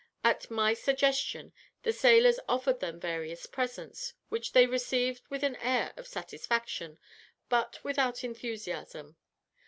At my suggestion, the sailors offered them various presents, which they received with an air of satisfaction, but without enthusiasm.